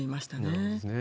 そうですね。